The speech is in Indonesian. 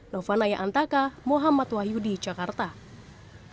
novanaya antaka muhammad wahyudi jakarta selatan